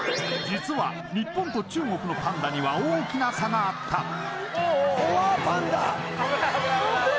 実は日本と中国のパンダには大きな差があったおおおお！